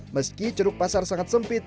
meski ceruk pasar sangat sempit